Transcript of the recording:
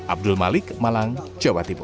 abdul malik malang jawa timur